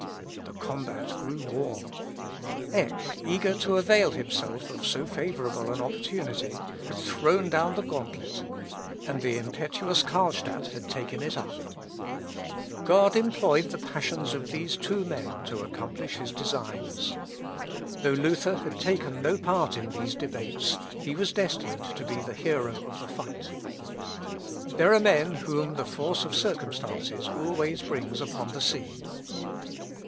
The combat grew warm. Eck, eager to avail himself of so favourable an opportunity, had thrown down the gauntlet; and the impetuous Carlstadt had taken it up. God employed the passions of these two men to accomplish his designs. Though Luther had taken no part in these debates, he was destined to be the hero of the fight. There are men whom the force of circumstances always brings upon the scene.